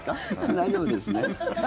大丈夫ですね？